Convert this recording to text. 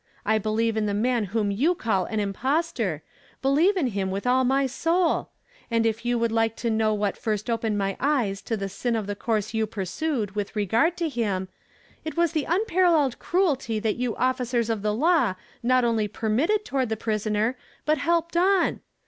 I be lieve in the man whom you call an impostor, believe in him with all my soul; and if you would like to know what first opened my eyes to the sin ot the coui se you pursued with regard to him, it was the unparalleled cruelty that you officers of the aw not only permitted toward the prisoner, bu helped on.